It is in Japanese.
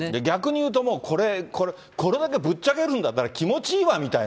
逆にいうともう、これ、これだけぶっちゃけるんだったら、そうです。